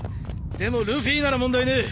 でもルフィなら問題ねえ。